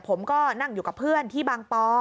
ผมก็นั่งอยู่กับเพื่อนที่บางปอ